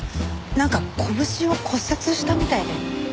なんか拳を骨折したみたいで。